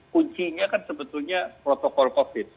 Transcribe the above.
kuncinya kan sebetulnya protokol covid